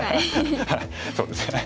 そうですね。